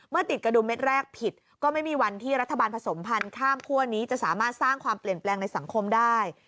ติดกระดุมเม็ดแรกผิดก็ไม่มีวันที่รัฐบาลผสมพันธ์ข้ามคั่วนี้จะสามารถสร้างความเปลี่ยนแปลงในสังคมได้